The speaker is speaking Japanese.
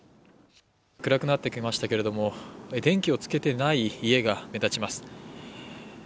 暗くなってきましたけれども、電気をつけていない家が目立ちます。